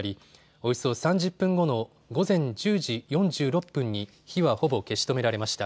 およそ３０分後の午前１０時４６分に火はほぼ消し止められました。